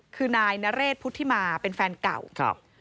คือนายนเรศพุทธิมาเป็นแฟนเก่าครับ